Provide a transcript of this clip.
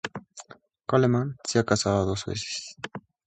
Coleman se ha casado dos veces.